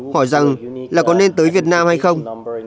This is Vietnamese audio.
hỏi rằng là có nên tới việt nam hay không